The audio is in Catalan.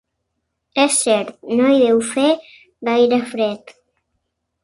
És cert, no hi deu fer gaire fred.